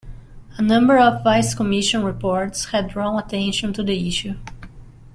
A number of Vice Commission reports had drawn attention to the issue.